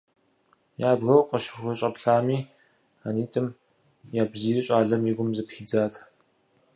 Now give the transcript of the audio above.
Ябгэу къыщыхущӏэплъами а нитӏым я бзийр щӏалэм и гум зэпхидзат.